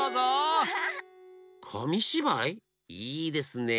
いいですねえ。